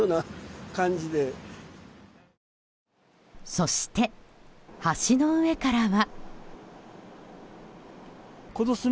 そして橋の上からは。